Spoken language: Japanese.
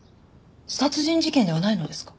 殺人事件ではないのですか？